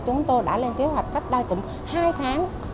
chúng tôi đã lên kế hoạch cấp đai tỉnh hai tháng